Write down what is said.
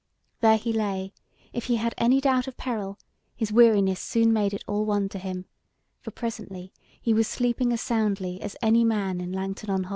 There as he lay, if he had any doubt of peril, his weariness soon made it all one to him, for presently he was sleeping as soundly as any man in Langton on Holm.